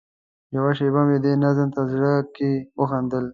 یوه شېبه مې دې نظم ته زړه کې وخندل.